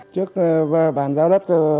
trước bàn giao đất